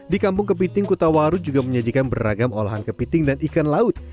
di kampung kepiting kutawaru juga menyajikan beragam olahan kepiting dan ikan laut